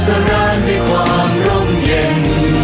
ศุกรรณในความร่มเย็น